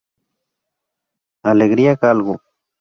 Alegría Galgo.